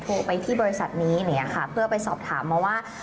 โทรไปที่บริษัทนี้อย่างเงี้ค่ะเพื่อไปสอบถามมาว่า